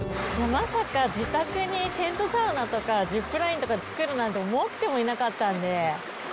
まさか、自宅にテントサウナとかジップラインとか作るなんて、思ってもいなかったんで。